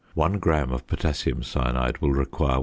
One gram of potassium cyanide will require 1.